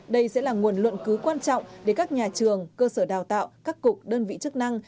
đây sẽ là nguồn luận cứu quan trọng để các nhà trường cơ sở đào tạo các cục đơn vị chức năng